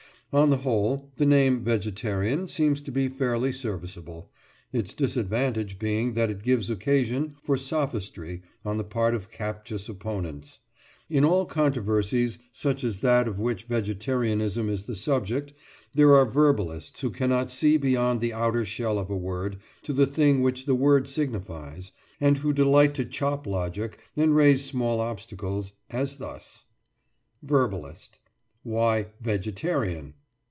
On the whole, the name "vegetarian" seems to be fairly serviceable, its disadvantage being that it gives occasion for sophistry on the part of captious opponents. In all controversies such as that of which vegetarianism is the subject there are verbalists who cannot see beyond the outer shell of a word to the thing which the word signifies, and who delight to chop logic and raise small obstacles, as thus: VERBALIST: Why "vegetarian"?